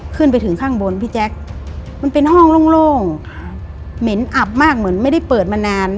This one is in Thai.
ขึ้นไปถึงข้างบนพี่แจ๊คมันเป็นห้องโล่งเหม็นอับมากเหมือนไม่ได้เปิดมานาน